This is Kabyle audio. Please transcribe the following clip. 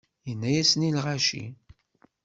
Yenna-yasen i lɣaci.